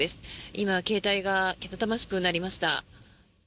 今、携帯がけたたましく鳴りました。